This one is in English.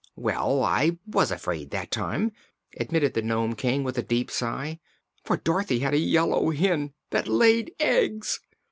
"Well, I was afraid, that time," admitted the Nome King, with a deep sigh, "for Dorothy had a Yellow Hen that laid eggs!"